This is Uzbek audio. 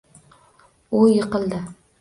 U yiqildi